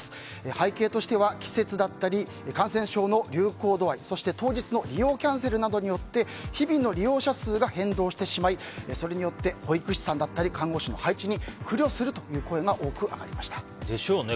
背景としては季節だったり感染症の流行度合いそして当日の利用キャンセルなどによって日々の利用者数が変動してしまい、それによって保育士さんだったり看護師の配置に苦慮するという声がでしょうね。